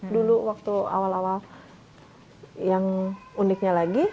dulu waktu awal awal yang uniknya lagi